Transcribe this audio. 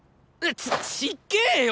ちちっげよ！